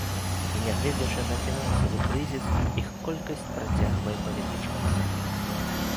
І, нягледзячы на фінансавы крызіс, іх колькасць працягвае павялічвацца.